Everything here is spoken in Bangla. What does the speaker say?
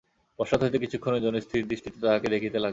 পশ্চাৎ হইতে কিছুক্ষণের জন্য স্থিরদৃষ্টিতে তাহাকে দেখিতে লাগিল।